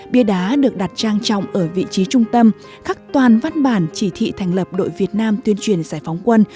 bia đá được đặt trang trọng ở vị trí trung tâm khắc toàn văn bản chỉ thị thành lập đội việt nam tuyên truyền giải phóng quân